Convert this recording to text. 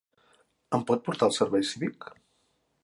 Em pot portar al servei cívic?